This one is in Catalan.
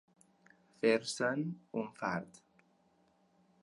Fer-se'n un fart.